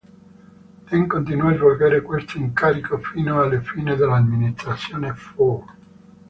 Dent continuò a svolgere questo incarico fino alla fine dell'amministrazione Ford.